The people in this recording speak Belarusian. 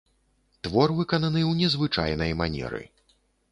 Твор выкананы ў незвычайнай манеры.